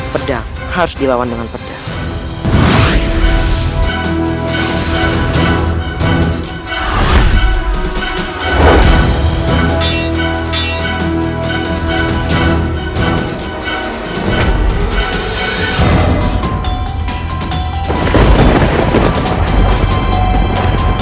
pedang harus dilawan dengan pedang